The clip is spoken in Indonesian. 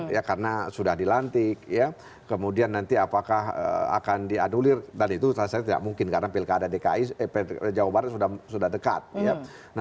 ya karena sudah dilantik ya kemudian nanti apakah akan dianulir dan itu saya tidak mungkin karena pilkada dki eh jawa barat sudah dekat ya